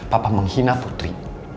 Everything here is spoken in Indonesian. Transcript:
papa menghina putri